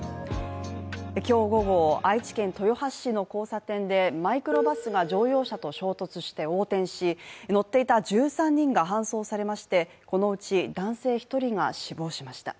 今日午後、愛知県豊橋市の交差点でマイクロバスが乗用車と衝突して横転し乗っていた１３人が搬送されましてこのうち男性１人が死亡しました。